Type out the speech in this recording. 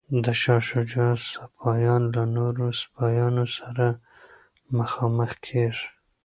د شاه شجاع سپایان له نورو سپایانو سره مخامخ کیږي.